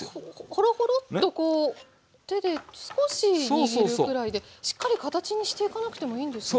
ホロホロッとこう手で少し握るくらいでしっかり形にしていかなくてもいいんですね。